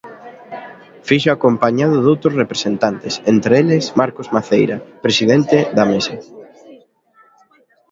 Fíxoo acompañado doutros representantes, entre eles Marcos Maceira, presidente d'A Mesa.